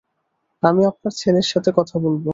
আমি আপনার ছেলের সাথে কথা বলব।